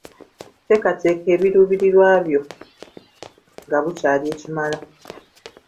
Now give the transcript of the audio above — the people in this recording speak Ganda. Teekateeka ebiruubirirwa byo nga bukyali ekimala.